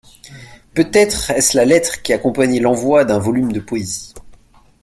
Peut-être est-ce la lettre qui accompagnait l'envoi d'un volume de poésie.